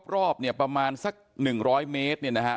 รอบเนี่ยประมาณสัก๑๐๐เมตรเนี่ยนะฮะ